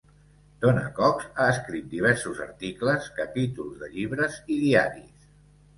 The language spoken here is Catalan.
Donna Cox ha escrit diversos articles, capítols de llibres i diaris.